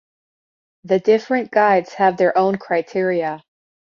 The different guides have their own criteria.